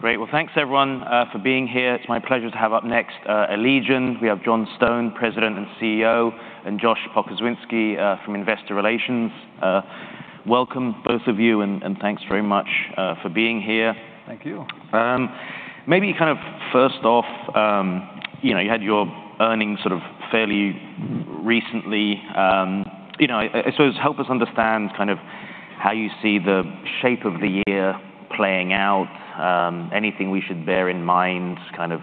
Great. Well, thanks everyone for being here. It's my pleasure to have up next Allegion. We have John Stone, President and CEO, and Josh Pokrzywinski from Investor Relations. Welcome both of you, and thanks very much for being here. Thank you. Maybe kind of first off, you know, you had your earnings sort of fairly recently. You know, so help us understand kind of how you see the shape of the year playing out. Anything we should bear in mind, kind of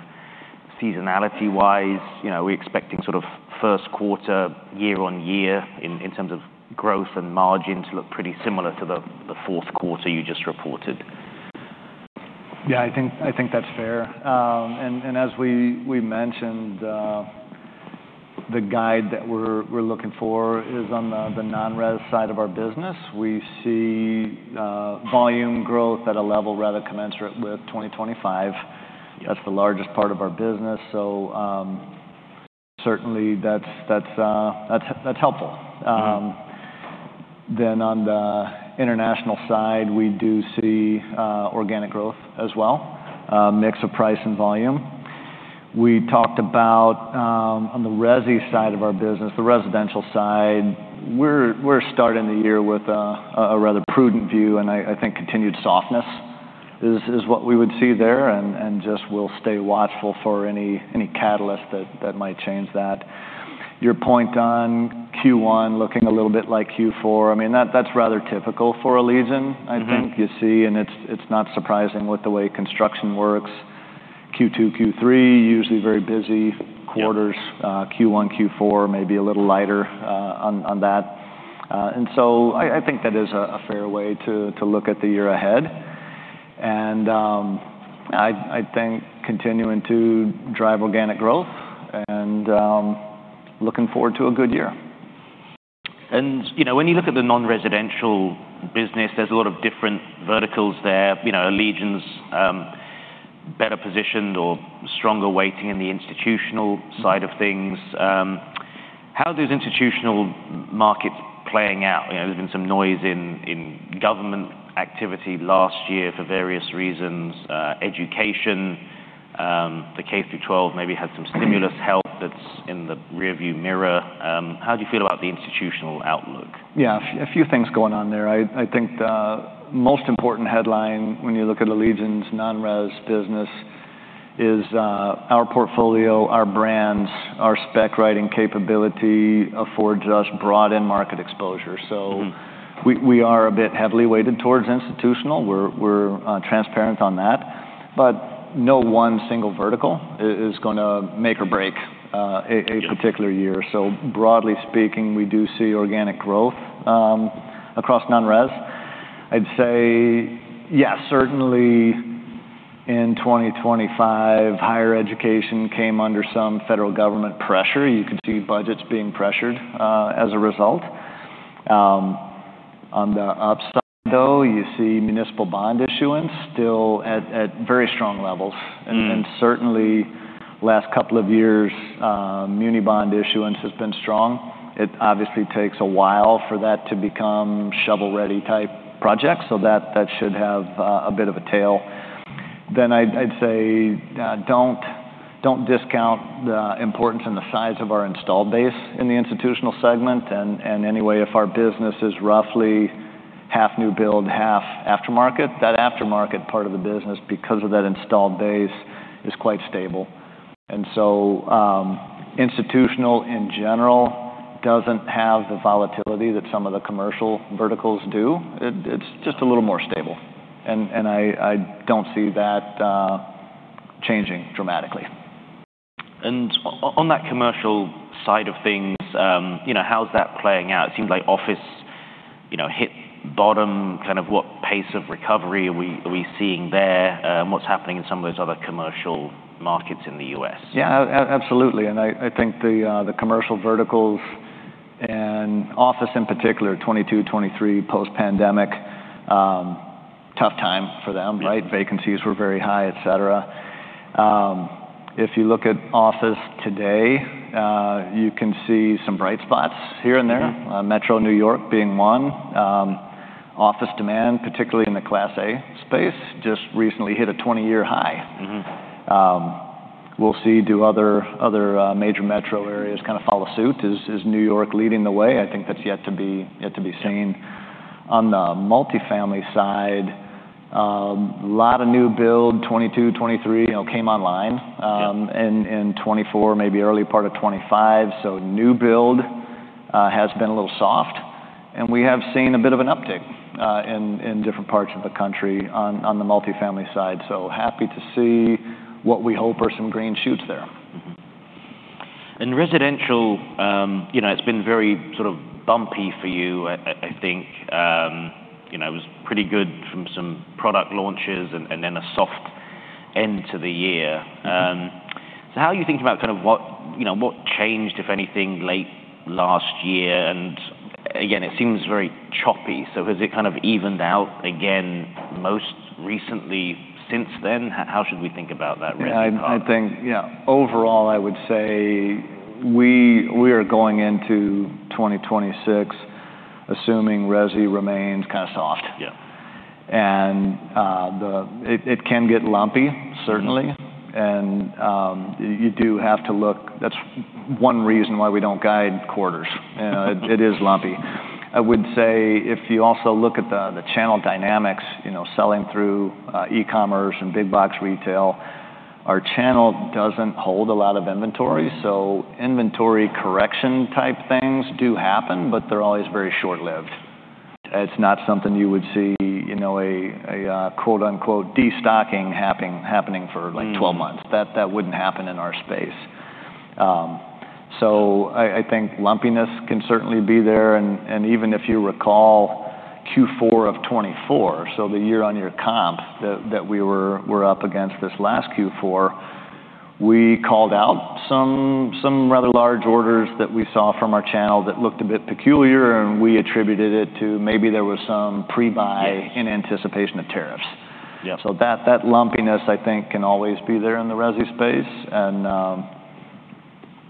seasonality-wise? You know, are we expecting sort of first quarter year-on-year in terms of growth and margins to look pretty similar to the fourth quarter you just reported? Yeah, I think that's fair. And as we mentioned, the guide that we're looking for is on the non-res side of our business. We see volume growth at a level rather commensurate with 2025. That's the largest part of our business, so certainly that's helpful. Mm-hmm. Then on the international side, we do see organic growth as well, a mix of price and volume. We talked about on the resi side of our business, the residential side, we're starting the year with a rather prudent view, and I think continued softness is what we would see there, and just we'll stay watchful for any catalyst that might change that. Your point on Q1 looking a little bit like Q4, I mean, that's rather typical for Allegion- Mm-hmm... I think you see, and it's not surprising with the way construction works. Q2, Q3, usually very busy quarters. Yeah. Q1, Q4 may be a little lighter on that. And so I think that is a fair way to look at the year ahead. And I think continuing to drive organic growth and looking forward to a good year. You know, when you look at the non-residential business, there's a lot of different verticals there. You know, Allegion's better positioned or stronger weighting in the institutional side of things. How are those institutional markets playing out? You know, there's been some noise in government activity last year for various reasons. Education, the K-12 maybe had some stimulus help- Mm-hmm... that's in the rearview mirror. How do you feel about the institutional outlook? Yeah, a few things going on there. I think the most important headline when you look at Allegion's non-res business is our portfolio, our brands, our spec writing capability affords us broad end market exposure. Mm-hmm. So we are a bit heavily weighted towards institutional. We're transparent on that, but no one single vertical is gonna make or break. Yeah... a particular year. So broadly speaking, we do see organic growth across non-res. I'd say, yes, certainly in 2025, higher education came under some federal government pressure. You could see budgets being pressured, as a result. On the upside, though, you see municipal bond issuance still at very strong levels. Mm. Certainly, last couple of years, muni bond issuance has been strong. It obviously takes a while for that to become shovel-ready type projects, so that should have a bit of a tail. Then I'd say, don't discount the importance and the size of our installed base in the institutional segment. Anyway, if our business is roughly half new build, half aftermarket, that aftermarket part of the business, because of that installed base, is quite stable. Institutional in general doesn't have the volatility that some of the commercial verticals do. It's just a little more stable, and I don't see that changing dramatically. And on that commercial side of things, you know, how's that playing out? It seems like office, you know, hit bottom. Kind of what pace of recovery are we seeing there? What's happening in some of those other commercial markets in the US? Yeah, absolutely. And I think the commercial verticals and office in particular, 2022, 2023, post-pandemic, tough time for them, right? Yeah. Vacancies were very high, et cetera. If you look at office today, you can see some bright spots here and there. Mm-hmm. Metro New York being one. Office demand, particularly in the Class A space, just recently hit a 20-year high. Mm-hmm. We'll see, do other major metro areas kind of follow suit? Is New York leading the way? I think that's yet to be seen. On the multifamily side, a lot of new build, 2022, 2023, you know, came online- Yeah... in 2024, maybe early part of 2025. So new build has been a little soft, and we have seen a bit of an uptick in different parts of the country on the multifamily side. So happy to see what we hope are some green shoots there. Mm-hmm. And residential, you know, it's been very sort of bumpy for you, I think. You know, it was pretty good from some product launches and then a soft end to the year. Mm-hmm. So how are you thinking about kind of what, you know, what changed, if anything, late last year? And again, it seems very choppy, so has it kind of evened out again most recently since then? How should we think about that res part? I think, yeah, overall, I would say we are going into 2026... assuming resi remains kind of soft. Yeah. And it can get lumpy, certainly. Mm-hmm. You do have to look. That's one reason why we don't guide quarters. It is lumpy. I would say if you also look at the channel dynamics, you know, selling through e-commerce and big box retail, our channel doesn't hold a lot of inventory. Mm-hmm. So inventory correction-type things do happen, but they're always very short-lived. It's not something you would see, you know, quote, unquote, "destocking" happening for like 12 months. Mm. That wouldn't happen in our space. So I think lumpiness can certainly be there. And even if you recall Q4 of 2024, so the year-on-year comp that we're up against this last Q4, we called out some rather large orders that we saw from our channel that looked a bit peculiar, and we attributed it to maybe there was some pre-buy- Yes. - in anticipation of tariffs. Yeah. So that, that lumpiness, I think, can always be there in the resi space. And,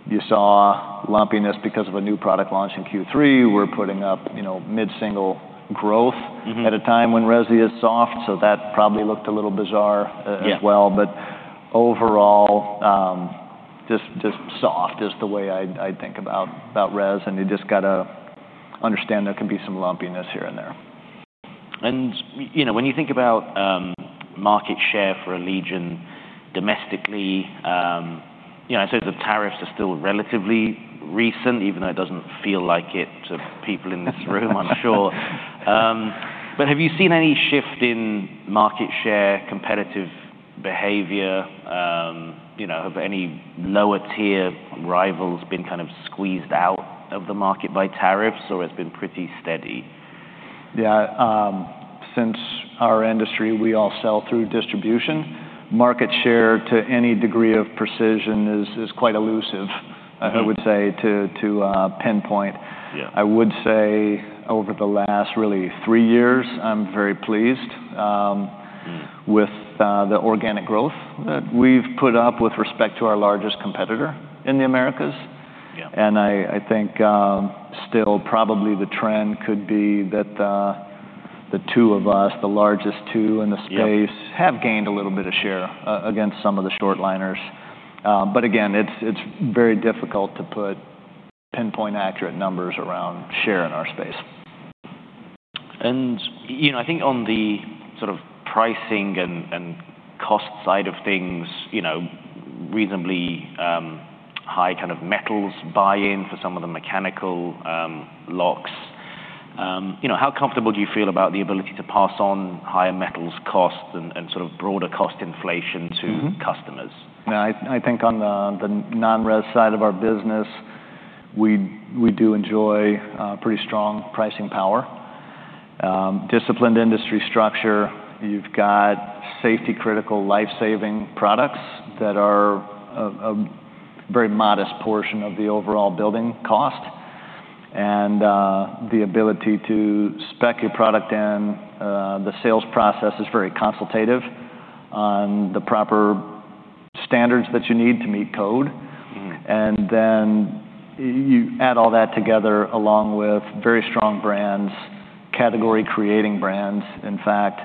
you saw lumpiness because of a new product launch in Q3. Mm-hmm. We're putting up, you know, mid-single growth- Mm-hmm... at a time when resi is soft, so that probably looked a little bizarre, Yeah... as well. But overall, just soft is the way I'd think about res, and you just gotta understand there can be some lumpiness here and there. And, you know, when you think about, market share for Allegion domestically, you know, I'd say the tariffs are still relatively recent, even though it doesn't feel like it to people in this room, I'm sure. But have you seen any shift in market share, competitive behavior? You know, have any lower-tier rivals been kind of squeezed out of the market by tariffs, or it's been pretty steady? Yeah, since our industry, we all sell through distribution, market share to any degree of precision is quite elusive- Mm-hmm... I would say, to pinpoint. Yeah. I would say over the last really three years, I'm very pleased. Mm... with the organic growth that we've put up with respect to our largest competitor in the Americas. Yeah. I think still probably the trend could be that the two of us, the largest two in the space- Yeah... have gained a little bit of share against some of the short liners. But again, it's very difficult to put pinpoint accurate numbers around share in our space. And, you know, I think on the sort of pricing and, and cost side of things, you know, reasonably, high kind of metals buy-in for some of the mechanical, locks, you know, how comfortable do you feel about the ability to pass on higher metals costs and, and sort of broader cost inflation to- Mm-hmm... customers? Yeah, I think on the non-resi side of our business, we do enjoy pretty strong pricing power. Disciplined industry structure. You've got safety-critical, life-saving products that are a very modest portion of the overall building cost. And the ability to spec a product in the sales process is very consultative on the proper standards that you need to meet code. Mm. And then you add all that together, along with very strong brands, category-creating brands, in fact,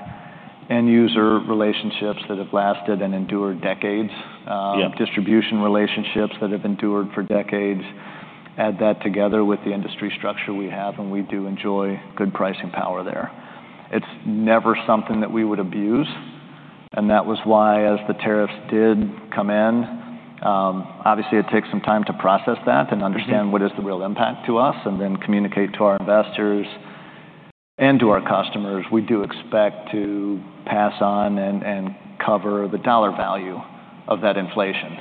end-user relationships that have lasted and endured decades- Yeah... distribution relationships that have endured for decades. Add that together with the industry structure we have, and we do enjoy good pricing power there. It's never something that we would abuse, and that was why, as the tariffs did come in, obviously, it takes some time to process that- Mm-hmm... and understand what is the real impact to us, and then communicate to our investors and to our customers. We do expect to pass on and cover the dollar value of that inflation.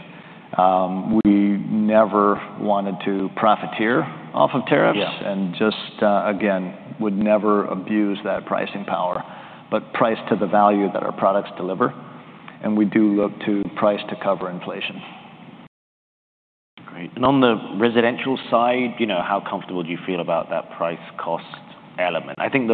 We never wanted to profiteer off of tariffs- Yeah... and just, again, would never abuse that pricing power, but price to the value that our products deliver, and we do look to price to cover inflation. Great. And on the residential side, you know, how comfortable do you feel about that price-cost element? I think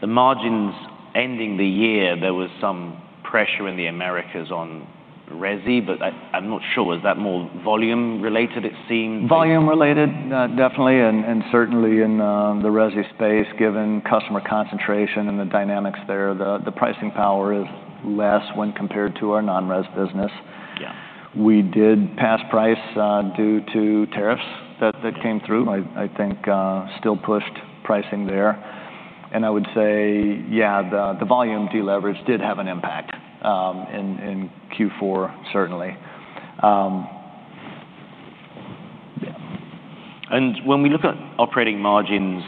the margins ending the year, there was some pressure in the Americas on resi, but I, I'm not sure. Was that more volume related? It seemed. Volume related, definitely, and certainly in the resi space, given customer concentration and the dynamics there, the pricing power is less when compared to our non-resi business. Yeah. We did pass price due to tariffs that came through. I think still pushed pricing there. And I would say, yeah, the volume deleverage did have an impact in Q4, certainly. Yeah. When we look at operating margins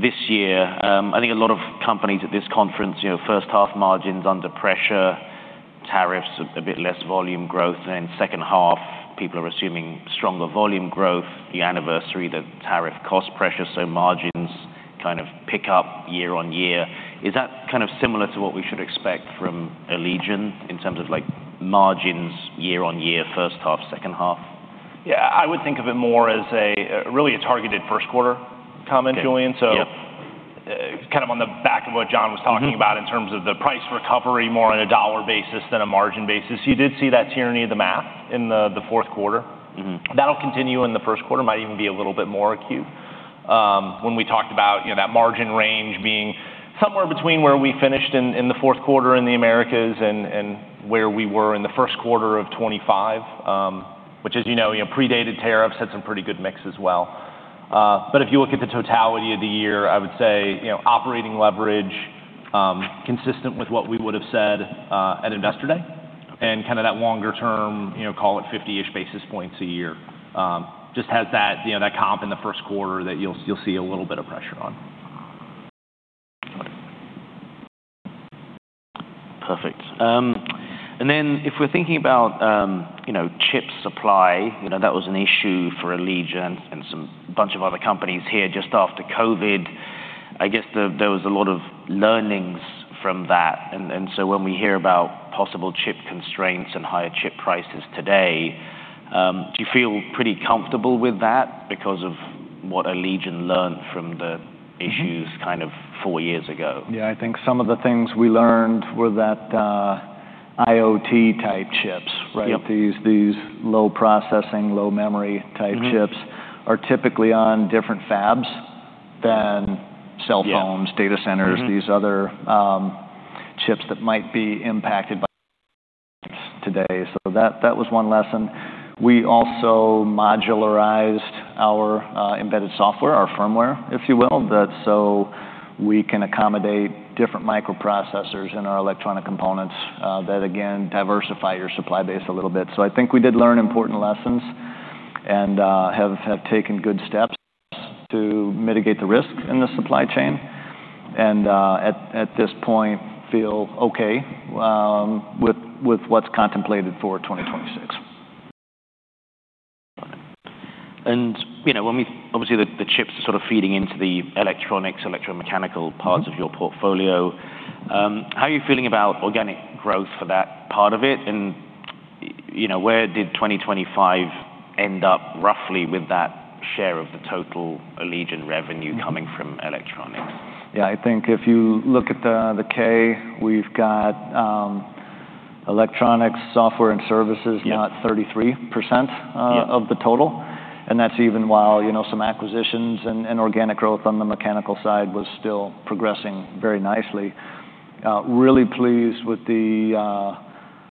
this year, I think a lot of companies at this conference, you know, first half margins under pressure, tariffs, a bit less volume growth. Then second half, people are assuming stronger volume growth, the anniversary, the tariff cost pressure, so margins kind of pick up year on year. Is that kind of similar to what we should expect from Allegion in terms of, like, margins year on year, first half, second half? Yeah, I would think of it more as a, really a targeted first quarter comment, Julian. Okay. Yeah. ... kind of on the back of what John was talking about- Mm-hmm. In terms of the price recovery, more on a dollar basis than a margin basis. You did see that tyranny of the math in the fourth quarter. Mm-hmm. That'll continue in the first quarter, might even be a little bit more acute. When we talked about, you know, that margin range being somewhere between where we finished in, in the fourth quarter in the Americas and, and where we were in the first quarter of 2025, which, as you know, you know, predated tariffs, had some pretty good mix as well. But if you look at the totality of the year, I would say, you know, operating leverage, consistent with what we would have said, at Investor Day. And kind of that longer term, you know, call it 50-ish basis points a year, just has that, you know, that comp in the first quarter that you'll, you'll see a little bit of pressure on. Perfect. And then if we're thinking about, you know, chip supply, you know, that was an issue for Allegion and some bunch of other companies here just after COVID. I guess there was a lot of learnings from that. And so when we hear about possible chip constraints and higher chip prices today, do you feel pretty comfortable with that because of what Allegion learned from the issues? Mm-hmm kind of four years ago? Yeah, I think some of the things we learned were that, IoT-type chips, right? Yep. These low processing, low memory-type chips- Mm-hmm are typically on different fabs than cell phones. Yeah... data centers- Mm-hmm these other chips that might be impacted by today. So that was one lesson. We also modularized our embedded software, our firmware, if you will, that so we can accommodate different microprocessors in our electronic components, that again, diversify your supply base a little bit. So I think we did learn important lessons and have taken good steps to mitigate the risk in the supply chain, and at this point, feel okay with what's contemplated for 2026. You know, when obviously the chips are sort of feeding into the electronics, electromechanical parts of your portfolio. How are you feeling about organic growth for that part of it? You know, where did 2025 end up, roughly, with that share of the total Allegion revenue coming from electronics? Yeah, I think if you look at the K, we've got electronics, software, and services- Yeah about 33% Yeah of the total, and that's even while, you know, some acquisitions and, and organic growth on the mechanical side was still progressing very nicely. Really pleased with the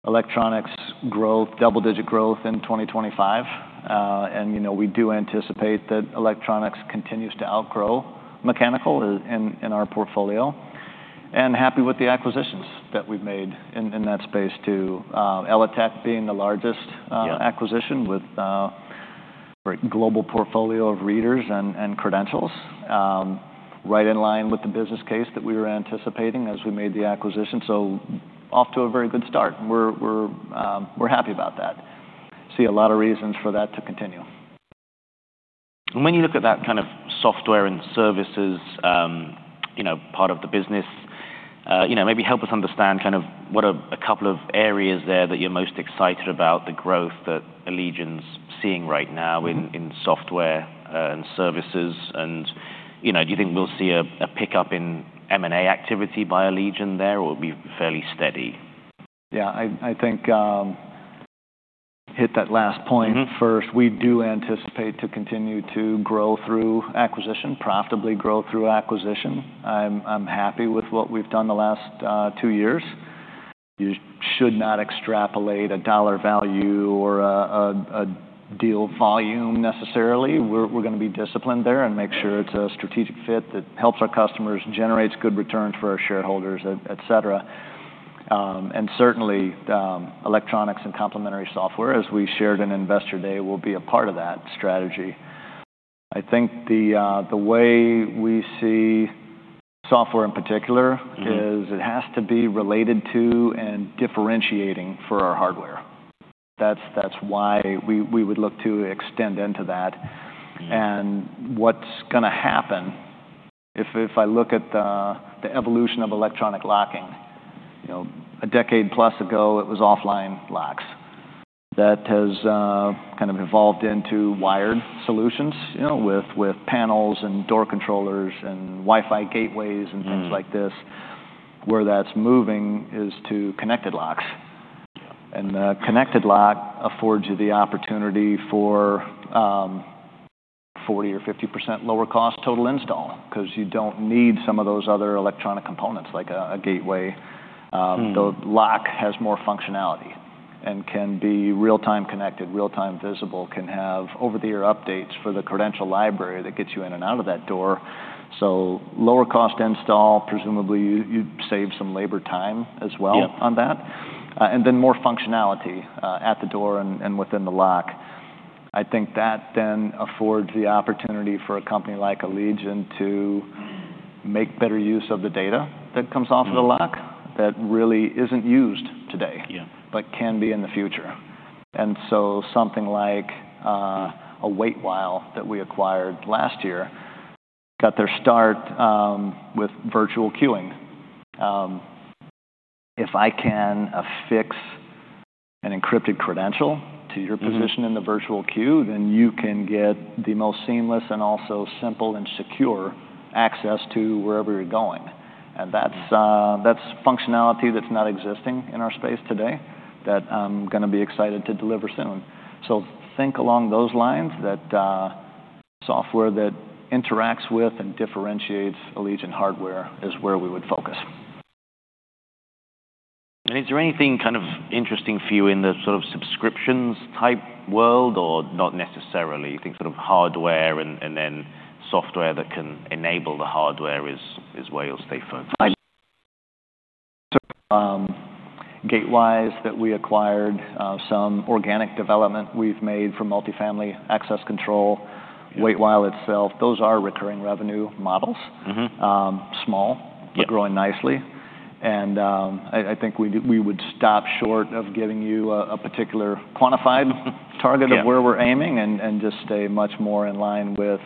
electronics growth, double-digit growth in 2025. and, you know, we do anticipate that electronics continues to outgrow mechanical in, in our portfolio. And happy with the acquisitions that we've made in, in that space, too. ELATEC being the largest. Yeah. -acquisition with a global portfolio of readers and credentials, right in line with the business case that we were anticipating as we made the acquisition. So off to a very good start. We're happy about that. See a lot of reasons for that to continue. When you look at that kind of software and services, you know, part of the business, you know, maybe help us understand kind of what are a couple of areas there that you're most excited about, the growth that Allegion's seeing right now- Mm-hmm in software and services, and, you know, do you think we'll see a pickup in M&A activity by Allegion there, or it will be fairly steady? Yeah, I think, hit that last point first. Mm-hmm. We do anticipate to continue to grow through acquisition, profitably grow through acquisition. I'm happy with what we've done the last two years. You should not extrapolate a dollar value or a deal volume necessarily. We're gonna be disciplined there and make sure it's a strategic fit that helps our customers, generates good returns for our shareholders, et cetera. And certainly, electronics and complementary software, as we shared in Investor Day, will be a part of that strategy. I think the way we see software, in particular- Mm-hmm It has to be related to and differentiating for our hardware. That's why we would look to extend into that. Yeah. And what's gonna happen, if I look at the evolution of electronic locking, you know, a decade plus ago, it was offline locks. That has kind of evolved into wired solutions, you know, with panels and door controllers and Wi-Fi gateways- Mm and things like this. Where that's moving is to connected locks. Yeah. A connected lock affords you the opportunity for 40% or 50% lower cost total install, 'cause you don't need some of those other electronic components, like a gateway. Mm. The lock has more functionality and can be real-time connected, real-time visible, can have over-the-air updates for the credential library that gets you in and out of that door. So lower cost install, presumably, you save some labor time as well- Yeah -on that. And then more functionality at the door and, and within the lock. I think that then affords the opportunity for a company like Allegion to make better use of the data that comes off- Mm of the lock, that really isn't used today. Yeah... but can be in the future. And so something like a Waitwhile that we acquired last year got their start with virtual queuing. If I can affix an encrypted credential to your position- Mm-hmm In the virtual queue, then you can get the most seamless and also simple and secure access to wherever you're going. And that's functionality that's not existing in our space today, that I'm gonna be excited to deliver soon. So think along those lines, that software that interacts with and differentiates Allegion hardware is where we would focus. Is there anything kind of interesting for you in the sort of subscriptions type world, or not necessarily? You think sort of hardware and then software that can enable the hardware is where you'll stay focused? Gatewise, that we acquired, some organic development we've made for multifamily access control- Yeah... Waitwhile itself, those are recurring revenue models. Mm-hmm. Um, small- Yeah... but growing nicely. I think we would stop short of giving you a particular quantified- Yeah... target of where we're aiming, and just stay much more in line with,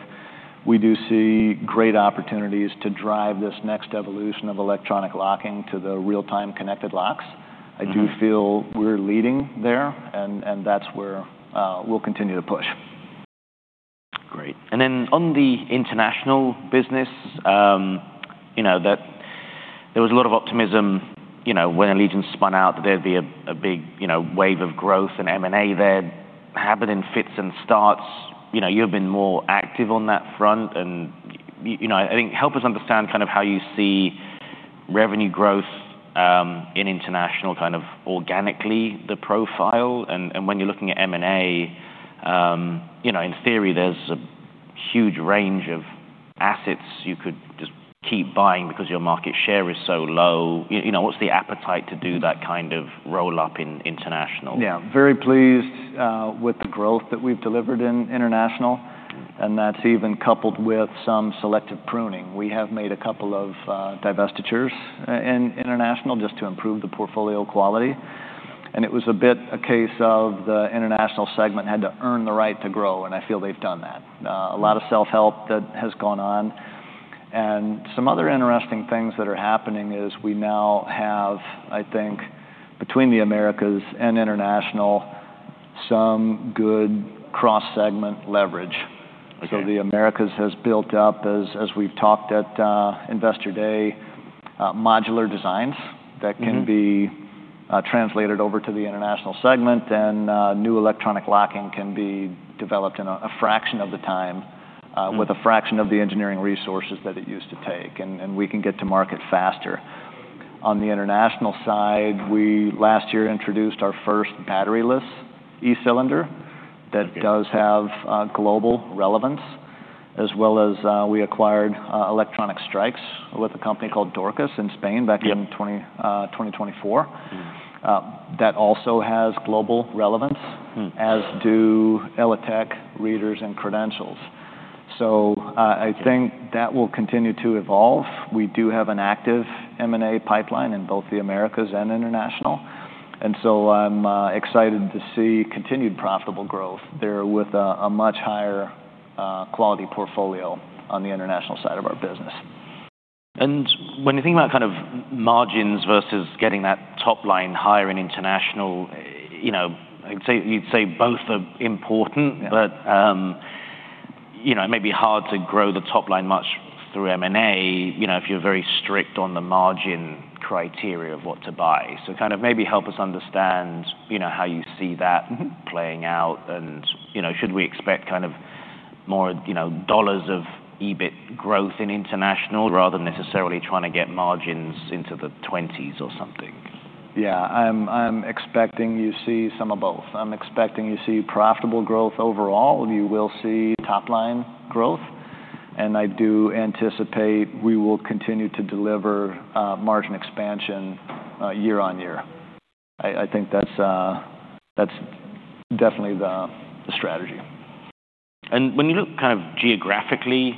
we do see great opportunities to drive this next evolution of electronic locking to the real-time connected locks. Mm-hmm. I do feel we're leading there, and that's where we'll continue to push. Great. And then on the international business, you know, that there was a lot of optimism, you know, when Allegion spun out, that there'd be a big, you know, wave of growth and M&A there, happen in fits and starts. You know, you've been more active on that front, and you know, I think help us understand kind of how you see revenue growth in international, kind of organically, the profile. And when you're looking at M&A, you know, in theory, there's a huge range of assets you could just keep buying because your market share is so low. You know, what's the appetite to do that kind of roll-up in international? Yeah. Very pleased with the growth that we've delivered in International, and that's even coupled with some selective pruning. We have made a couple of divestitures in International just to improve the portfolio quality, and it was a bit a case of the International segment had to earn the right to grow, and I feel they've done that. A lot of self-help that has gone on. And some other interesting things that are happening is we now have, I think, between the Americas and International, some good cross-segment leverage. Okay. So the Americas has built up as, as we've talked at, Investor Day, modular designs- Mm-hmm... that can be translated over to the international segment, and new electronic locking can be developed in a fraction of the time, Mm... with a fraction of the engineering resources that it used to take, and we can get to market faster. On the international side, we last year introduced our first battery-less e-cylinder- Okay... that does have global relevance, as well as we acquired electronic strikes with a company called Dorcas in Spain back in- Yeah... 2024. Mm. That also has global relevance- Mm... as do ELATEC readers and credentials. So, I think that will continue to evolve. We do have an active M&A pipeline in both the Americas and International, and so I'm excited to see continued profitable growth there with a, a much higher quality portfolio on the international side of our business. When you think about kind of margins versus getting that top line higher in international, you know, I'd say, you'd say both are important- Yeah... but, you know, it may be hard to grow the top line much through M&A, you know, if you're very strict on the margin criteria of what to buy. So kind of maybe help us understand, you know, how you see that- Mm-hmm... playing out, and, you know, should we expect kind of more, you know, dollars of EBIT growth in international rather than necessarily trying to get margins into the twenties or something? Yeah. I'm expecting you see some of both. I'm expecting you see profitable growth overall, and you will see top line growth, and I do anticipate we will continue to deliver margin expansion year-on-year. I think that's definitely the strategy. When you look kind of geographically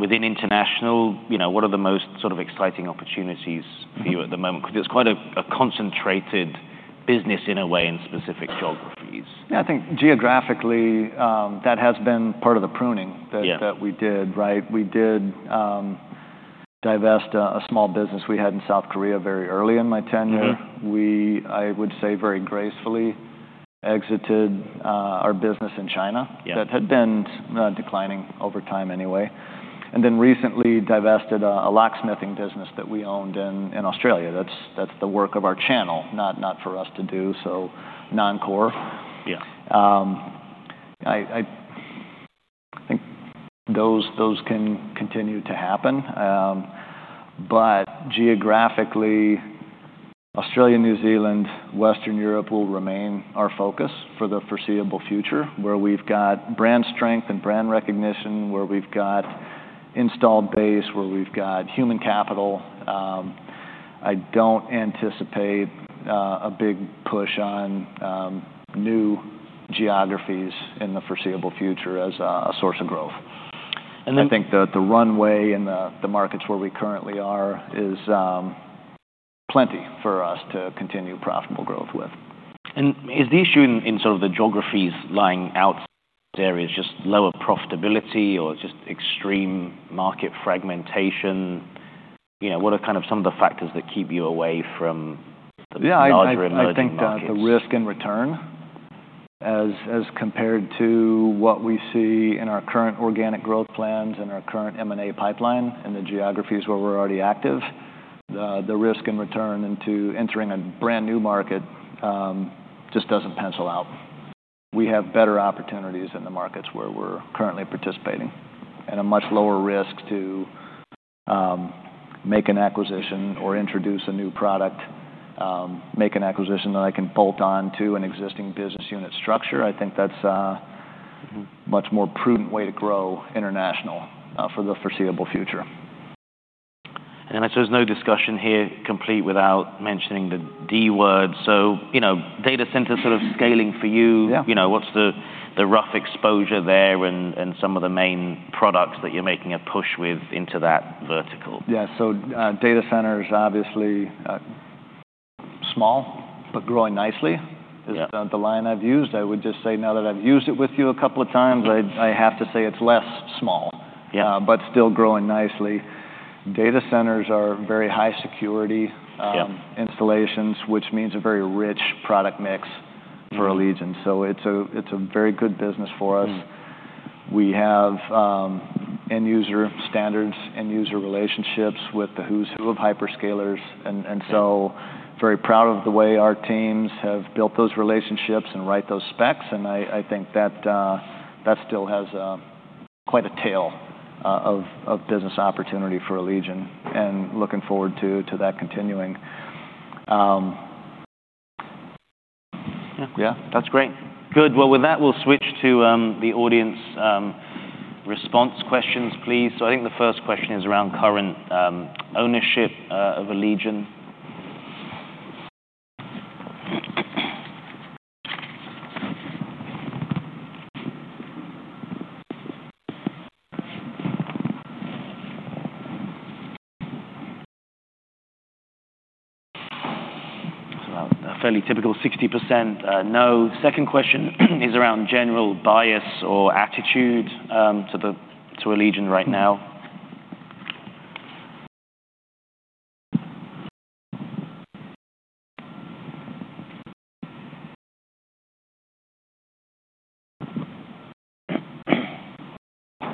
within international, you know, what are the most sort of exciting opportunities for you at the moment? Because it's quite a concentrated business in a way, in specific geographies. Yeah, I think geographically, that has been part of the pruning that- Yeah... that we did, right? We did, divest a small business we had in South Korea very early in my tenure. Mm-hmm. We, I would say, very gracefully exited our business in China. Yeah... that had been declining over time anyway. And then recently divested a locksmithing business that we owned in Australia. That's the work of our channel, not for us to do, so non-core. Yeah. I think those can continue to happen. But geographically, Australia, New Zealand, Western Europe will remain our focus for the foreseeable future, where we've got brand strength and brand recognition, where we've got installed base, where we've got human capital. I don't anticipate a big push on new geographies in the foreseeable future as a source of growth. And then- I think the runway in the markets where we currently are is plenty for us to continue profitable growth with. Is the issue in sort of the geographies lying outside areas just lower profitability or just extreme market fragmentation? Yeah, what are kind of some of the factors that keep you away from the larger emerging markets? Yeah, I think the risk and return as compared to what we see in our current organic growth plans and our current M&A pipeline in the geographies where we're already active. The risk and return into entering a brand-new market just doesn't pencil out. We have better opportunities in the markets where we're currently participating, and a much lower risk to make an acquisition or introduce a new product, make an acquisition that I can bolt on to an existing business unit structure. I think that's a much more prudent way to grow international for the foreseeable future. So, there's no discussion here complete without mentioning the D word. So, you know, data center sort of scaling for you- Yeah. you know, what's the rough exposure there and some of the main products that you're making a push with into that vertical? Yeah. So, data center is obviously small but growing nicely- Yeah... is, the line I've used. I would just say now that I've used it with you a couple of times, I have to say it's less small. Yeah. Still growing nicely. Data centers are very high security- Yeah... installations, which means a very rich product mix for Allegion. Mm. So it's a very good business for us. Mm. We have end user standards, end user relationships with the who's who of hyperscalers, and so very proud of the way our teams have built those relationships and write those specs, and I think that that still has quite a tail of business opportunity for Allegion, and looking forward to that continuing. Yeah. Yeah, that's great. Good. Well, with that, we'll switch to the audience response questions, please. So I think the first question is around current ownership of Allegion. So a fairly typical 60%, no. Second question is around general bias or attitude to Allegion right now.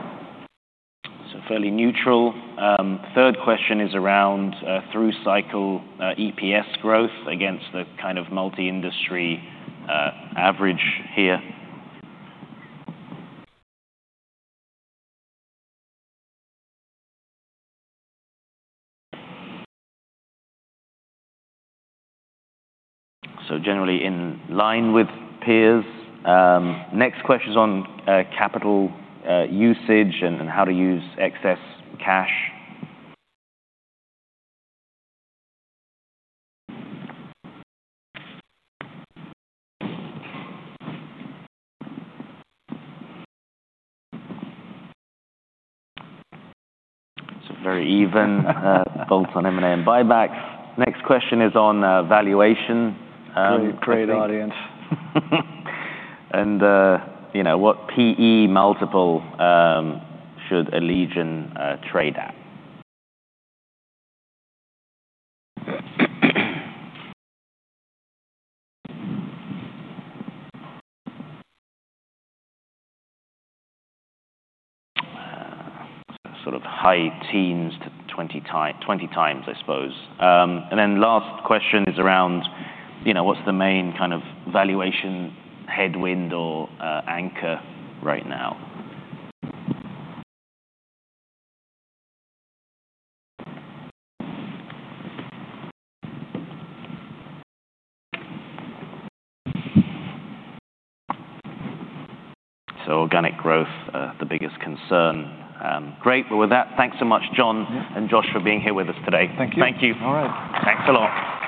So fairly neutral. Third question is around through cycle EPS growth against the kind of multi-industry average here. So generally in line with peers. Next question is on capital usage and how to use excess cash. So very even both on M&A and buybacks. Next question is on valuation. Great, great audience. And, you know, what PE multiple should Allegion trade at? Sort of high teens to 20x, I suppose. And then last question is around, you know, what's the main kind of valuation headwind or anchor right now? So organic growth the biggest concern. Great. Well, with that, thanks so much, John- Yeah. - and Josh, for being here with us today. Thank you. Thank you. All right. Thanks a lot.